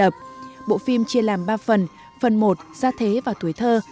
phần một gia thế và tuổi thơ